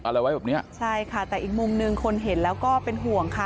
อะไรไว้แบบเนี้ยใช่ค่ะแต่อีกมุมหนึ่งคนเห็นแล้วก็เป็นห่วงค่ะ